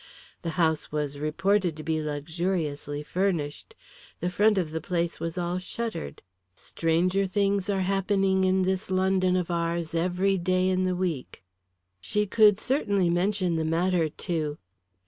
The house was reported to be luxuriously furnished, the front of the place was all shuttered. Stranger things are happening in this London of ours every day in the week. She could certainly mention the matter to